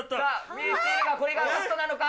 これがラストなのか？